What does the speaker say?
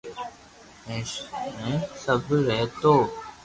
ھين شپ رھتو